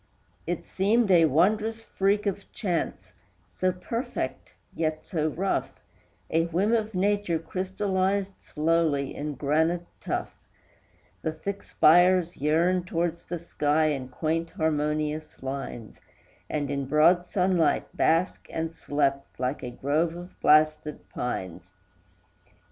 It seemed a wondrous freak of chance, so perfect, yet so rough, A whim of Nature crystallized slowly in granite tough; The thick spires yearned towards the sky in quaint, harmonious lines, And in broad sunlight basked and slept, like a grove of blasted pines.